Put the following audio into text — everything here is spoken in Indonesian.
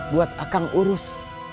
buat akang urus